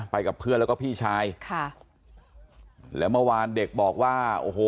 กับเพื่อนแล้วก็พี่ชายค่ะแล้วเมื่อวานเด็กบอกว่าโอ้โห